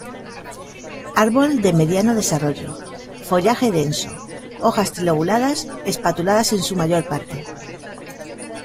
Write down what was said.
Árbol de mediano desarrollo, follaje denso, hojas trilobuladas espatuladas en su mayor parte.